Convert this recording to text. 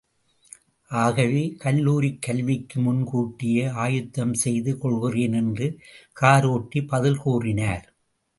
ஆகவே, கல்லூரிக் கல்விக்கு முன் கூட்டியே, ஆயத்தஞ் செய்து கொள்கிறேன் என்று காரோட்டி பதில் கூறினார்.